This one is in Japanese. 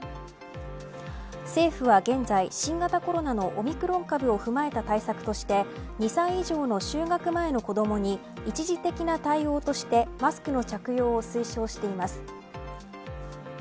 政府は現在、新型コロナのオミクロン株を踏まえた対策として２歳以上の就学前の子どもに一時的な対応としてマスクの着用を推奨しています。